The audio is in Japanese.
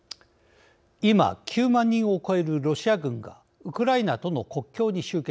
今、９万人を超えるロシア軍がウクライナとの国境に集結。